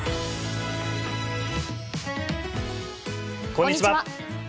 こんにちは。